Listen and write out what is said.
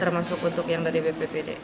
termasuk untuk yang dari bppd